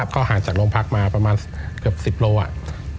ก็ห่างจากโรงพรรคมาประมาณเกือบสิบกัน